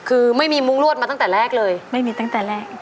คือไม่มีมุ้งรวดมาตั้งแต่แรกเลยไม่มีตั้งแต่แรก